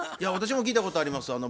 私も聞いたことあります。